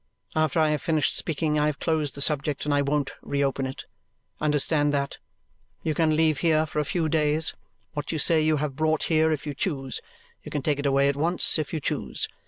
After I have finished speaking I have closed the subject, and I won't re open it. Understand that. You can leave here, for a few days, what you say you have brought here if you choose; you can take it away at once if you choose.